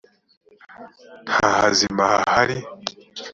nta hazima hahari l